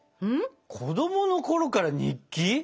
子どものころから日記？